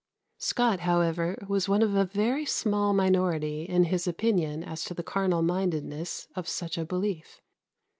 " Scot, however, was one of a very small minority in his opinion as to the carnal mindedness of such a belief.